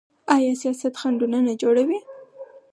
آیا سیاست خنډونه نه جوړوي؟